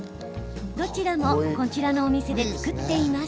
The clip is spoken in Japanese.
どちらも、こちらのお店で作っています。